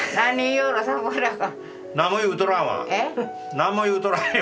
何も言うとらんわ。